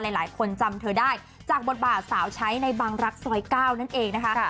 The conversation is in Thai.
หลายคนจำเธอได้จากบทบาทสาวใช้ในบางรักซอย๙นั่นเองนะคะ